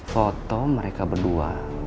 foto mereka berdua